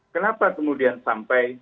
kenapa kemudian sampai